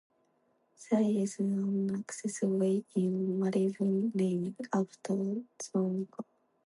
There is an access way in Malibu named after Zonker.